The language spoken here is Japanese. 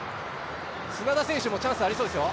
砂田選手もチャンスがありそうですよ。